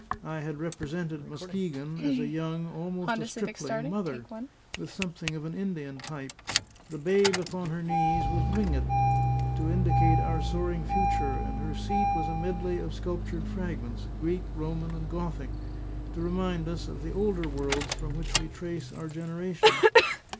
I had represented Muskegon as a young, almost a stripling, mother, with something of an Indian type; the babe upon her knees was winged, to indicate our soaring future; and her seat was a medley of sculptured fragments, Greek, Roman, and Gothic, to remind us of the older worlds from which we trace our generation.